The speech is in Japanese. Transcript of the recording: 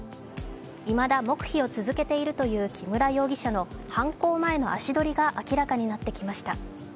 いまだ黙秘を続けているという木村容疑者の犯行前の足取りが明らかになってきました。